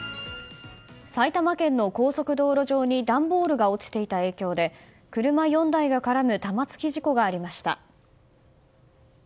埼玉県の高速道路上に段ボールが落ちていた影響で車４台が絡む玉突き事故がありました。